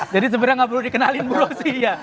jadi sebenarnya gak perlu dikenalin bro sih ya